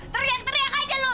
teriak teriak aja lu